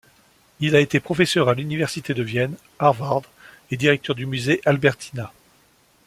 Il a été professeur à l'université de Vienne, Harvard et directeur du musée Albertina.